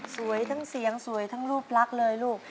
สวยทั้งเสียงสวยทั้งรูปลักษณ์เลยลูก